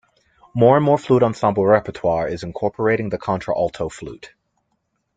More and more flute ensemble repertoire is incorporating the contra-alto flute.